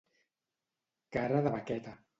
Cara de baqueta.